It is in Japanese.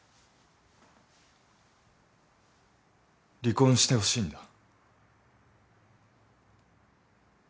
離婚してほしいんだ。